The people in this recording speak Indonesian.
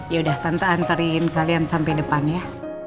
yaudah tante anterin kalian sampe depan ya